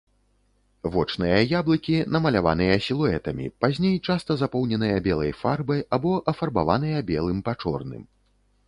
Вочныя яблыкі намаляваныя сілуэтамі, пазней часта запоўненыя белай фарбай або афарбаваныя белым па чорным.